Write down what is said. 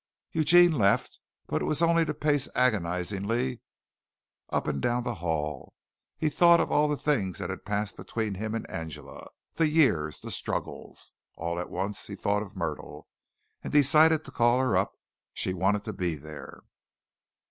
Eugene left, but it was only to pace agonizedly up and down the hall. He thought of all the things that had passed between him and Angela the years the struggles. All at once he thought of Myrtle, and decided to call her up she wanted to be there.